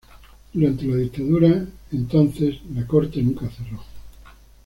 Durante la dictadura, entonces, la Corte nunca cerró.